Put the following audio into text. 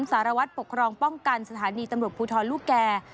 สารวัตรปกครองป้องกันสถานีตำรวจภูทรลูกแก่